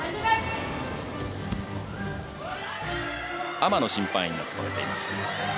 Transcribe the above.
天野審判員が務めています。